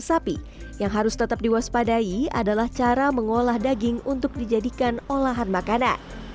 sapi yang harus tetap diwaspadai adalah cara mengolah daging untuk dijadikan olahan makanan